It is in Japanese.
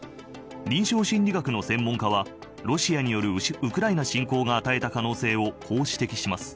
臨床心理学の専門家はロシアによるウクライナ侵攻が与えた可能性をこう指摘します。